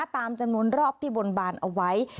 ตามจำนวนรอบที่บนบานเอาไว้